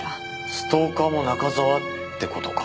ストーカーも中沢って事か。